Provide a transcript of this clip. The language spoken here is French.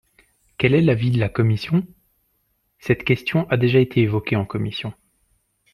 Quel est l’avis de la commission ? Cette question a déjà été évoquée en commission.